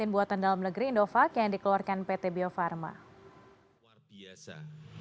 buatan dalam negeri indovac yang dikeluarkan pt bio farma